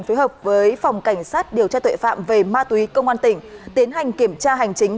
phối hợp với phòng cảnh sát điều tra tuệ phạm về ma túy công an tỉnh tiến hành kiểm tra hành chính